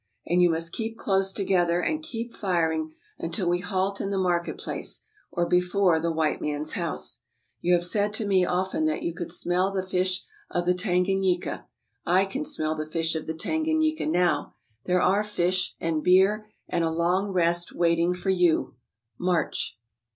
And you must keep close together, and keep firing until we halt in the market place, or before the white man's house. You have said to me often that you could smell the fish of the Tanganyika — I 333 334 TRAVELERS AND EXPLORERS can smell the fish of the Tanganyika now. There are fish, and beer, and a long rest waiting for you. MARCH